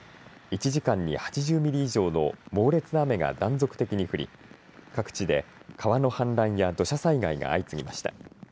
１時間に８０ミリ以上の猛烈な雨が断続的に降り、各地で川の氾濫や土砂災害が相次ぎました。